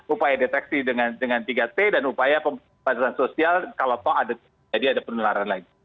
upaya deteksi dengan tiga t dan upaya pematasan sosial kalau tau ada penularan lagi